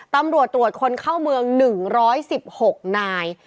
ตำรวจตรวจคนเข้าเมือง๑๑๖นาย